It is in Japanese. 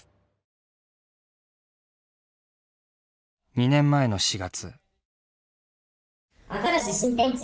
２年前の４月。